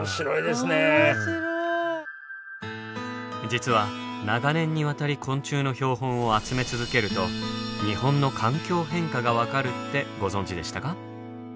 実は長年にわたり昆虫の標本を集め続けると日本の環境変化が分かるってご存じでしたか。